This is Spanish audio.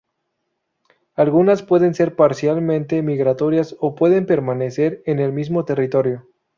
Algunas pueden ser parcialmente migratorias o puede permanecer en el mismo territorio.